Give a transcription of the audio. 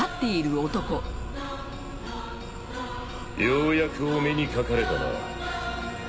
ようやくお目にかかれたな。